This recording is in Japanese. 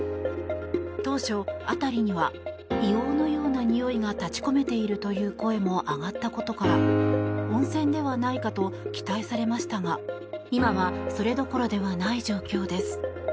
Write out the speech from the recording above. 当初、辺りには硫黄のようなにおいが立ち込めているという声も上がったことから温泉ではないかと期待されましたが今はそれどころではない状況です。